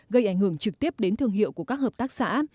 gây ảnh hưởng trực tiếp đến thương hiệu của các hợp tác xã